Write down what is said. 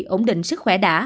ổn định sức khỏe đã